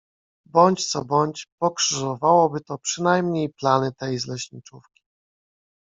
Bądź co bądź pokrzyżowałoby to przynajmniej plany tej z leśniczówki.